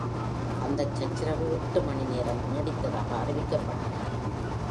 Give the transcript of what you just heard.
அந்தச் சச்சரவு எட்டு மணி நேரம் நீடித்ததாக அறிவிக்கப்பட்டது.